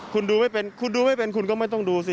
คุณดูไม่เป็นคุณดูไม่เป็นคุณก็ไม่ต้องดูสิ